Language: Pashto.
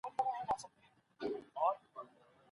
موږ بايد پخواني نظريات پرېږدو.